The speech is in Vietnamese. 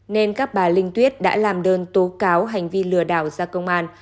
nên các bà linh tuyết đã làm đơn tố cáo hành vi lừa đảo ra công an